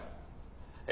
え？